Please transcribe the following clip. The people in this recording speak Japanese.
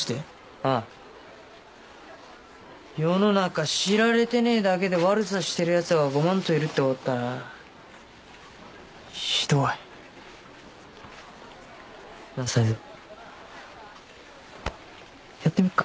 ああ世の中知られてねぇだけで悪さしてるヤツはごまんといるってこったなひどいなぁ才三やってみっか？